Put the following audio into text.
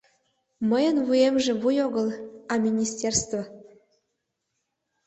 Мыйын вуемже вуй огыл, а министерство!